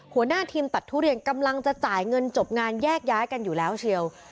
หัวหน้าทีมตัดทุเรียนกำลังจะจ่ายเงินจบงานแยกย้ายกันอยู่แล้วเชียว